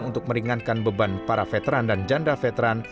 untuk meringankan beban para veteran dan janda veteran